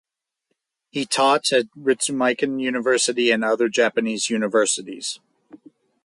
He taught at Ritsumeikan University and other Japanese universities.